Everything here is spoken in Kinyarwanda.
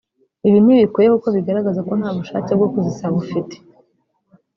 ibi ntibikwiye kuko bigaragaza ko ntabushake bwo kuzisaba ufite